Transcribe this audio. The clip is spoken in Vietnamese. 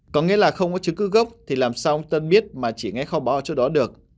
có nghĩa là không có chứng cứ gốc thì làm sao ông tân biết mà chỉ nghe kho báu ở chỗ đó được